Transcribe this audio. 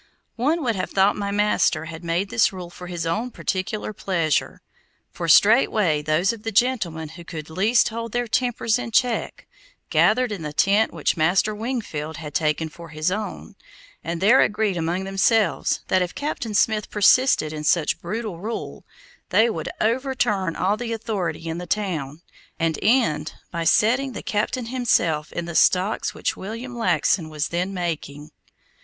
One would have thought my master had made this rule for his own particular pleasure, for straightway those of the gentlemen who could least hold their tempers in check, gathered in the tent which Master Wingfield had taken for his own, and there agreed among themselves that if Captain Smith persisted in such brutal rule, they would overturn all the authority in the town, and end by setting the Captain himself in the stocks which William Laxon was then making.